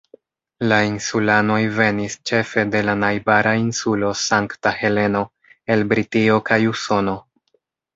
La insulanoj venis ĉefe de la najbara insulo Sankta Heleno, el Britio kaj Usono.